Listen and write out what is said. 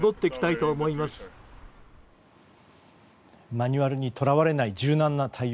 マニュアルにとらわれない柔軟な対応。